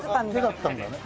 手だったんだね。